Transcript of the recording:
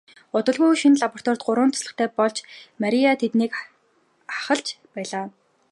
Удалгүй шинэ лабораторид гурван туслахтай болж Мария тэднийг ахалж байлаа.